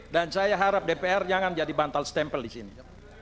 dan saya harap dpr jangan jadi bantal stempel disini